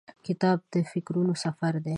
کتاب د فکرونو سفر دی.